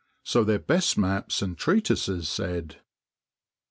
So their best maps and treatises said!